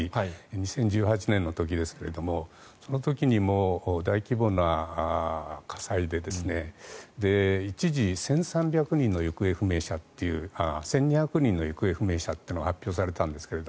２０１８年の時ですがその時にも大規模な火災で一時、１２００人の行方不明者というのが発表されたんですが